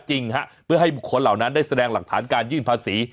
เพื่อให้บุคคลเหล่านั้นได้แสดงหลักฐานการยื่นภาษี